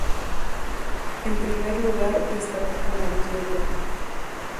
En primer lugar destacó como atleta.